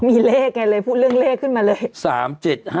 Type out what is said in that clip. มีเลขไงเลยผู้เลขเลขขึ้นมาเลย